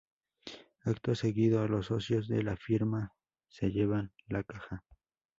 Acto seguido los socios de la firma se llevan la caja.